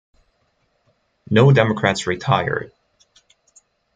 No Democrats retired.